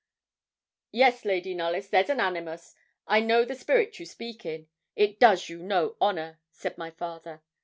'Yes, Lady Knollys, there's an animus; I know the spirit you speak in it does you no honour,' said my father.